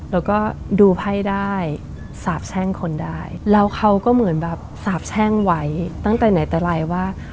แล้วก็ดูไพ่ได้สาบแช่งคนได้แล้วเขาก็เหมือนแบบสาบแช่งไว้ตั้งแต่ไหนแต่ไรว่า